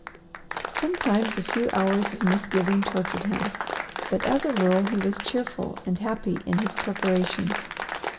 Sometimes a few hours of misgiving tortured him, but as a rule he was cheerful and happy in his preparations.